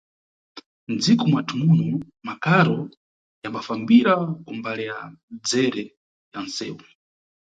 Nʼdziko mwathu muno, makaro yambafambira kumbali ya dzere ya nʼsewu.